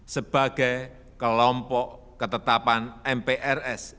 sebagai kelompok ketetapan mprs